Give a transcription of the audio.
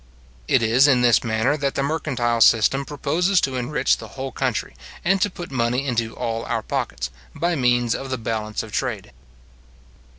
It is in this manner that the mercantile system proposes to enrich the whole country, and to put money into all our pockets, by means of the balance of trade.